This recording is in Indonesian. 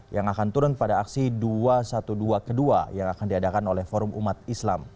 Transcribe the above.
yang akan turun pada aksi dua ratus dua belas kedua yang akan diadakan oleh forum umat islam